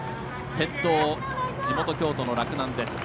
先頭、地元・京都の洛南です。